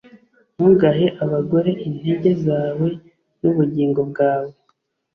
ntugahe abagore intege zawe n’ubugingo bwawe,